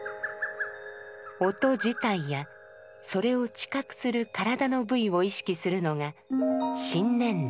音自体やそれを知覚する体の部位を意識するのが「身念処」。